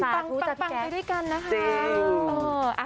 ปังไปด้วยกันนะคะ